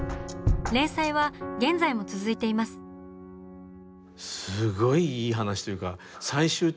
連載は現在も続いています。